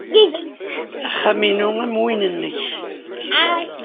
Axxam-inu am win-nnek.